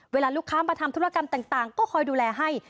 เวลาลูกค้ามาทำธุรกรรมต่างก็คอยดูแลให้